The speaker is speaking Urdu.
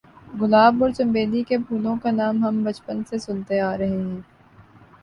گلاب اور چنبیلی کے پھولوں کا نام ہم بچپن سے سنتے آ رہے ہیں